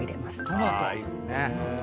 トマトね。